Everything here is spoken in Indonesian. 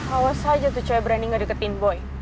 awas aja tuh cewek berani gak diketin boy